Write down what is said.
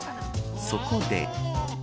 そこで。